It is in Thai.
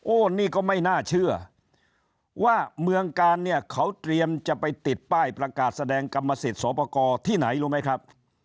อันนี้ก็ไม่น่าเชื่อว่าเมืองกาลเนี่ยเขาเตรียมจะไปติดป้ายประกาศแสดงกรรมสิทธิ์สอบประกอบที่ไหนรู้ไหมครับ